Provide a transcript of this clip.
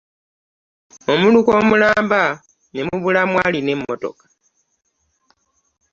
Omuluka omulamba ne mubulamu alina emmotoka!